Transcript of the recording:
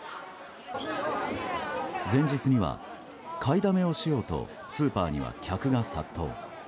前日には買いだめをしようとスーパーには客が殺到。